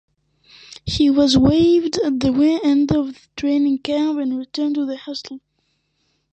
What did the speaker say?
He was waived at the end of training camp and returned to the Hustle.